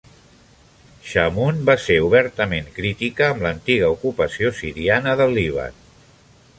Chamoun va ser obertament crítica amb l'antiga ocupació siriana del Líban.